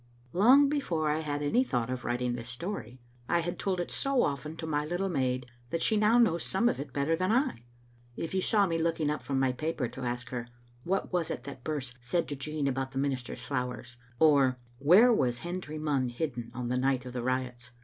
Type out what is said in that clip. Long before I had any thought of writing thi« story, I had told it so often to my little maid that she now knows some of it better than I. If you saw me looking up from my paper to ask her, " What was it that Birse said to Jean about the minister's flowers?" or, " Where was Hendry Munn hidden on the night of the riots?"